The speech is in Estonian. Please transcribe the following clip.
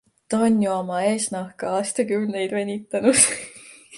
Ta on ju oma eesnahka aastakümneid venitanud!